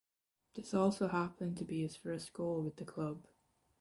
This also happened to be his first goal with the club.